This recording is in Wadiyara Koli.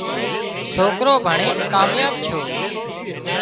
سوڪرو ڀڻين ڪامياب ڇو